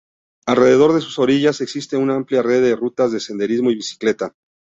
Alrededor de sus orillas, existe una amplia red de rutas de senderismo y bicicleta.